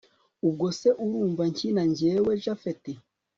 ubwo se urumva nkina njyewe japhet